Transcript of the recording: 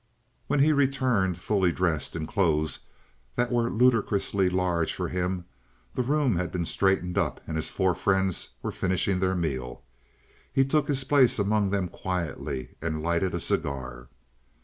When he returned, fully dressed in clothes that were ludicrously large for him, the room had been straightened up, and his four friends were finishing their meal. He took his place among them quietly and lighted a cigar.